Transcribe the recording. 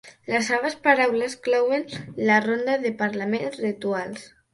Les seves paraules clouen la ronda de parlaments rituals.